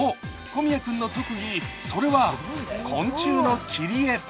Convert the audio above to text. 小宮君の特技、それは昆虫の切り絵。